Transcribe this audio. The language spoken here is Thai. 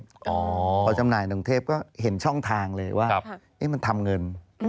พอจำหน่ายหนึ่งเทพก็เห็นช่องทางเลยว่ามันทำเงิน